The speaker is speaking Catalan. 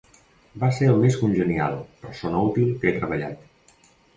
Va ser el més congenial, persona útil que he treballat.